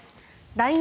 ＬＩＮＥ